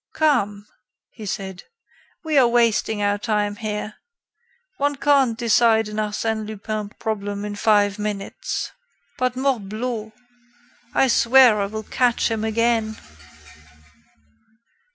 "Come," he said, "we are wasting our time here. One can't decide an Arsène Lupin problem in five minutes. But, morbleau! I swear I will catch him again."